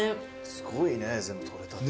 すごいね全部取れたて。